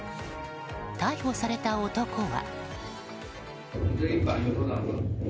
逮捕された男は。